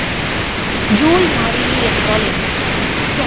Joule மாறிலி என்றால் என்ன?